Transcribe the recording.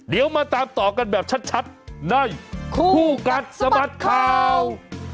เดี๋ยวมาตามต่อกันแบบชัดในคู่กัดสะบัดข่าว